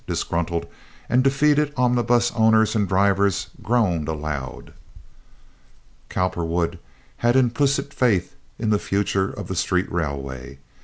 Disgruntled and defeated omnibus owners and drivers groaned aloud. Cowperwood had implicit faith in the future of the street railway.